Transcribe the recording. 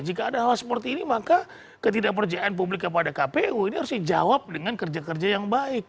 jika ada hal seperti ini maka ketidakpercayaan publik kepada kpu ini harus dijawab dengan kerja kerja yang baik